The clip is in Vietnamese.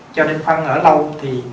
cho nên phân ở lâu thì